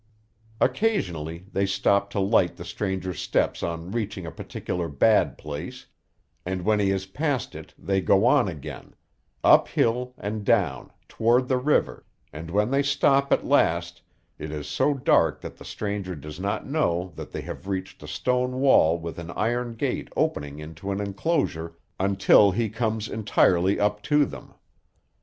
Occasionally they stop to light the stranger's steps on reaching a particularly bad place, and when he has passed it they go on again; up hill and down, toward the river, and when they stop at last, it is so dark that the stranger does not know that they have reached a stone wall with an iron gate opening into an enclosure, until he comes entirely up to them.